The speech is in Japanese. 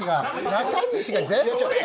中西が全然。